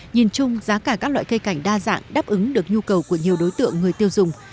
nhìn chung giá cả các loại cây cảnh đa dạng đáp ứng được nhu cầu của nhiều đối tượng người tiêu dùng